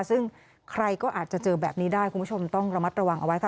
ซึ่งใครก็อาจจะเจอแบบนี้ได้คุณผู้ชมต้องระมัดระวังเอาไว้ค่ะ